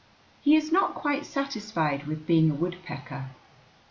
He is not quite satisfied with being a woodpecker.